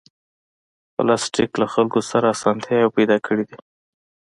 پلاستيک له خلکو سره اسانتیاوې پیدا کړې دي.